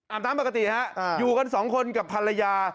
อาบน้ำปกตินะครับอยู่กันสองคนกับภรรยา